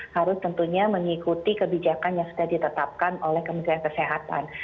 harus tentunya mengikuti kebijakan yang sudah ditetapkan oleh kementerian kesehatan